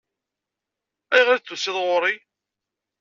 Ayɣer i d-tusiḍ ɣur-i?